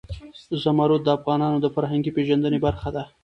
زمرد د افغانانو د فرهنګي پیژندنې برخه ده.